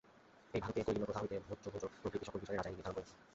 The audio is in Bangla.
এ ভারতে কৌলীন্যপ্রথা হইতে ভোজ্যাভোজ্য পর্যন্ত সকল বিষয় রাজাই নির্ধারণ করিতেন।